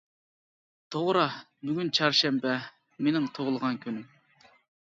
توغرا بۈگۈن چارشەنبە، مىنىڭ تۇغۇلغان كۈنۈم.